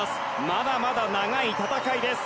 まだまだ長い戦いです。